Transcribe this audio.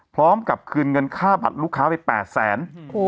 พร้อมกับคืนเงินค่าบัตรลูกค้าไป๘แสน